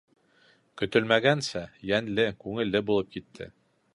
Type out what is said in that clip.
Көтөлмәгәнсә йәнле, күңелле булып китте.